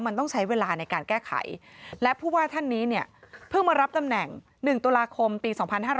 มันต้องใช้เวลาในการแก้ไขและผู้ว่าท่านนี้เนี่ยเพิ่งมารับตำแหน่ง๑ตุลาคมปี๒๕๕๙